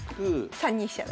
３二飛車成。